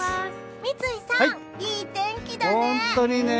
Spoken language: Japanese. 三井さん、いい天気だね。